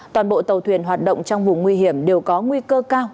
toàn bộ tàu thuyền hoạt động trong vùng nguy hiểm đều có nguy cơ cao